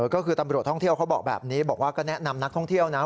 ก็คือตำรวจท่องเที่ยวเขาบอกแบบนี้บอกว่าก็แนะนำนักท่องเที่ยวนะ